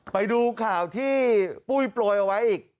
ไปดูข่าวที่ปุ้ยโปรยเอาไว้อีก